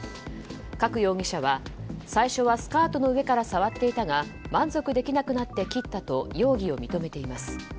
加久容疑者は、最初はスカートの上から触っていたが満足できなくなって切ったと容疑を認めています。